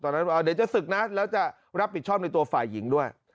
ว่าเดี๋ยวจะศึกนะแล้วจะรับผิดชอบในตัวฝ่ายหญิงด้วย